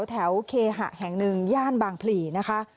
แถวเคหะแห่งหนึ่งย่านบางพลีนะคะ